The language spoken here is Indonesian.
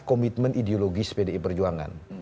komitmen ideologis pdi perjuangan